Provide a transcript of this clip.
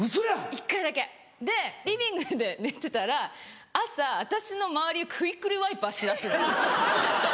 １回だけでリビングで寝てたら朝私の周りをクイックルワイパーしだす。